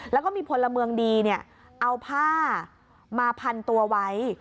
แล้วก็มีพลเมืองดีเอาผ้ามาพันตัวไว้